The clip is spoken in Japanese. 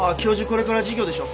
これから授業でしょ。